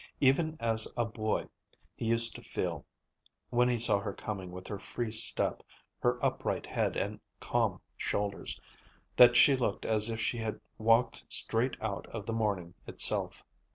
Even as a boy he used to feel, when he saw her coming with her free step, her upright head and calm shoulders, that she looked as if she had walked straight out of the morning itself.